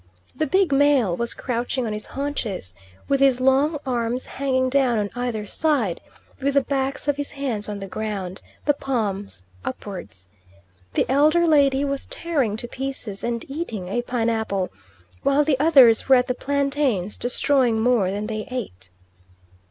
The big male was crouching on his haunches, with his long arms hanging down on either side, with the backs of his hands on the ground, the palms upwards. The elder lady was tearing to pieces and eating a pine apple, while the others were at the plantains destroying more than they ate.